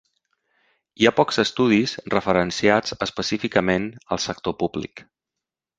Hi ha pocs estudis referenciats específicament al sector públic.